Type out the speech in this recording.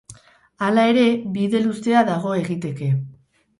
Hala ere, bide luzea dago egiteke.